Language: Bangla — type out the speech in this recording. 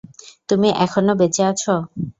তুমি এখনো বেঁচে আছো।